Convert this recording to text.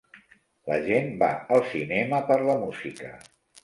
La gent va al cinema per la música.